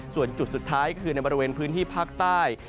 ส่วนจุดสุดท้ายคือในบริเวณพื้นที่ภาคใต้